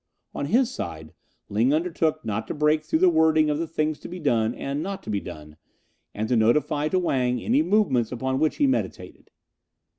On his side, Ling undertook not to break through the wording of the things to be done and not to be done, and to notify to Wang any movements upon which he meditated.